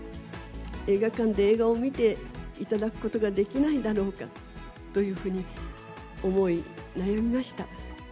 映画館で映画を見ていただくことができないだろうかというふうに、思い悩みました。